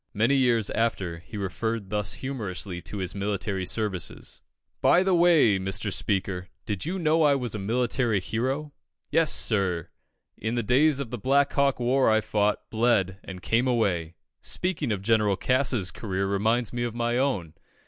Many years after, he referred thus humorously to his military services: "By the way, Mr. Speaker, did you know I was a military hero? Yes, sir, in the days of the Black Hawk war I fought, bled, and came away. Speaking of General Cass's career reminds me of my own.